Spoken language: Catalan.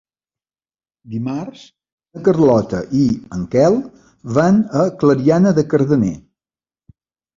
Dimarts na Carlota i en Quel van a Clariana de Cardener.